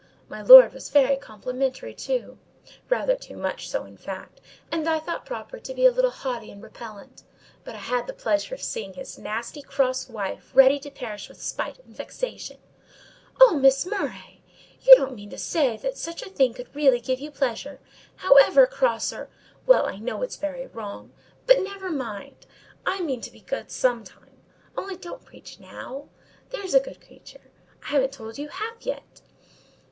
My lord was very complimentary too—rather too much so in fact—and I thought proper to be a little haughty and repellent; but I had the pleasure of seeing his nasty, cross wife ready to perish with spite and vexation—" "Oh, Miss Murray! you don't mean to say that such a thing could really give you pleasure? However cross or—" "Well, I know it's very wrong;—but never mind! I mean to be good some time—only don't preach now, there's a good creature. I haven't told you half yet.